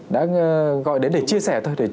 đã gọi đến để chia sẻ thôi